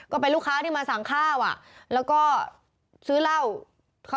ก็เป็นลูกค้าที่มาสั่งข้าวก็สื้อเหล้า